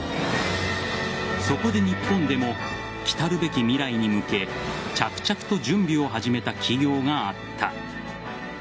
そこで、日本でも来るべき未来に向け着々と準備を始めた企業があった。